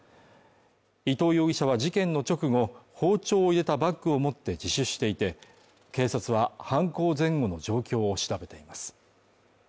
伊藤容疑者は事件の直後、包丁を入れたバッグを持って自主していて、警察は犯行前後の状況を調べています。